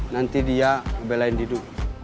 nanti dia ngebelain dido